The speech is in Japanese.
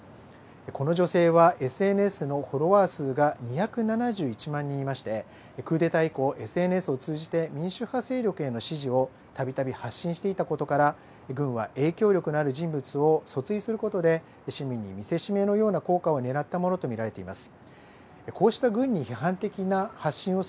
この女性はＳＮＳのフォロワー数が２７１万人いましてクーデター以降、ＳＮＳを通じて民主派勢力への支持をたびたび発信していたことから軍は影響力のある人物を訴追することで市民に見せしめのような効果をねらったものと見られています。